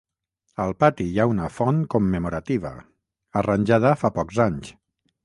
Al pati hi ha una font commemorativa, arranjada fa pocs anys.